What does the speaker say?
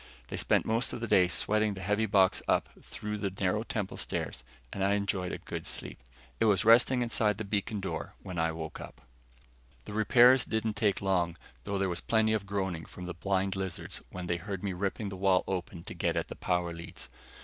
They spent most of the day sweating the heavy box up through the narrow temple stairs and I enjoyed a good sleep. It was resting inside the beacon door when I woke up. The repairs didn't take long, though there was plenty of groaning from the blind lizards when they heard me ripping the wall open to get at the power leads.